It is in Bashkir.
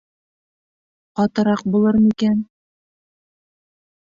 Ҡатыраҡ булыр микән?..